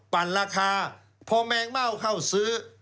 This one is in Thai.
ปั่นราคาพอแมงเม่าเข้าซื้อ